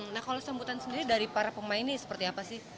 nah kalau sambutan sendiri dari para pemain ini seperti apa sih